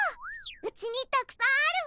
うちにたくさんあるわ！